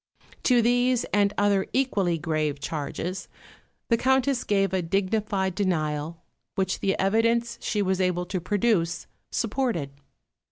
To these and other equally grave charges the Countess gave a dignified denial, which the evidence she was able to produce supported.